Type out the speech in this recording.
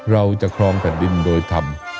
เราจะครองแผ่นดินโดยธรรม